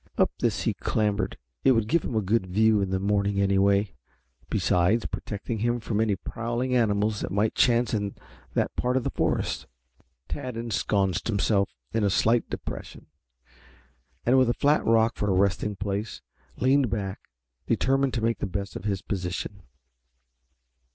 Up this he clambered. It would give him a good view in the morning anyway, besides protecting him from any prowling animals that might chance in that part of the forest. Tad ensconced himself in a slight depression, and with a flat rock for a resting place, leaned back determined to make the best of his position.